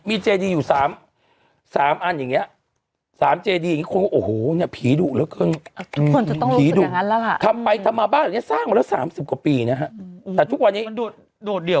มีเจดีอยู่สามสามอันอย่างเงี้ยสามเจดีอย่างเงี้ยคนโอ้โหเนี้ย